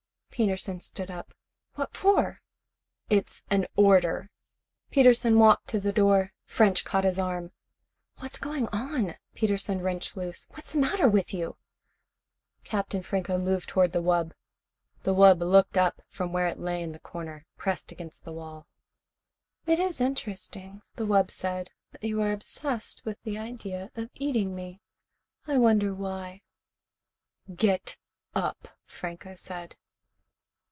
Peterson stood up. "What for?" "It's an order." Peterson walked to the door. French caught his arm. "What's going on?" Peterson wrenched loose. "What's the matter with you?" Captain Franco moved toward the wub. The wub looked up from where it lay in the corner, pressed against the wall. "It is interesting," the wub said, "that you are obsessed with the idea of eating me. I wonder why." "Get up," Franco said.